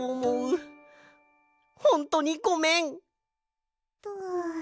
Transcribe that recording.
ほんとにごめん！